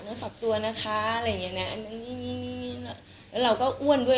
ฝากตัวนะคะอะไรอย่างเงี้นะอันนั้นแล้วเราก็อ้วนด้วย